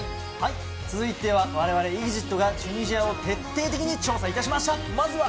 続いてはわれわれＥＸＩＴが、チュニジアを徹底的に調査いたしました。